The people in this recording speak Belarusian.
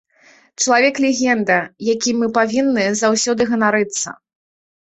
Чалавек-легенда, якім мы павінны заўсёды ганарыцца.